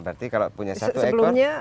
berarti kalau punya satu ekor